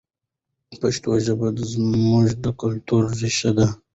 پښتو ژبه زموږ د کلتور ریښه ده.